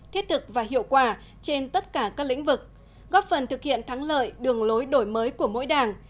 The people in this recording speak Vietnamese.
thiết thực và hiệu quả trên tất cả các lĩnh vực góp phần thực hiện thắng lợi đường lối đổi mới của mỗi đảng